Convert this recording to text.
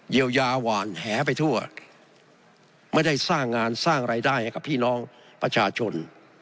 เยียวยาหวานแหไปทั่วไม่ได้สร้างงานสร้างรายได้ให้กับพี่น้องประชาชน